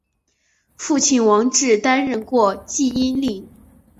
父亲王志担任过济阴令。